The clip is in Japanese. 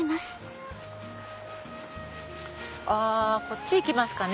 あこっち行きますかね。